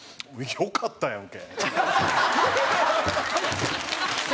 「よかったやんけ」。